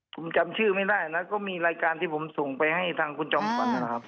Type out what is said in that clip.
ผมจำชื่อไม่ได้นะก็มีรายการที่ผมส่งไปให้ทางคุณจอมฝันนะครับ